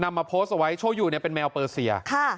นำมาโพสต์ไว้โชยูเป็นแมวเปอร์เซีย